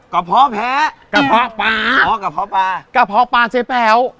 กะเพาะแพ้กะเพาะปลากะเพาะปลาเจ๊แป๋ว